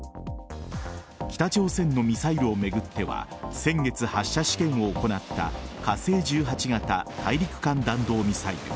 北朝鮮のミサイルを巡っては先月、発射試験を行った火星１８型大陸間弾道ミサイル。